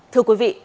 thưa quý vị